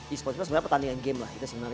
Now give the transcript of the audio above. esports itu sebenarnya pertandingan game lah